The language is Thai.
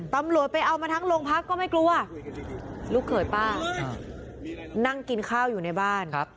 ตำรวจไปเอามาทั้งโรงพักก็ไม่กลัวลูกเขยป้านั่งกินข้าวอยู่ในบ้าน